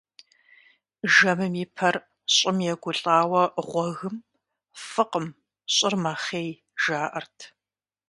Жэмым и пэр щӀым егулӀауэ гъуэгым, фӀыкъым, щӀыр мэхъей, жаӀэрт.